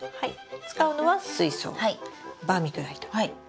使うのは水槽バーミキュライト。